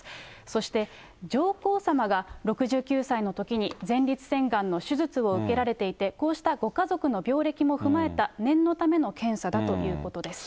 そして上皇さまが６９歳のときに、前立腺がんの手術を受けられていて、こうしたご家族の病歴も踏まえた念のための検査だということです。